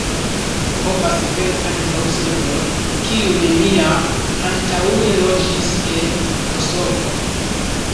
Povas veni ankaŭ serboj, kiuj neniam antaŭe loĝis en Kosovo.